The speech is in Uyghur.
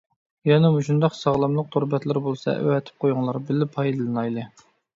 يەنە مۇشۇنداق ساغلاملىق تور بەتلىرى بولسا ئەۋەتىپ قويۇڭلار، بىللە پايدىلىنايلى.